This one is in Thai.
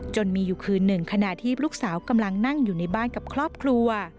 มีอยู่คืนหนึ่งขณะที่ลูกสาวกำลังนั่งอยู่ในบ้านกับครอบครัว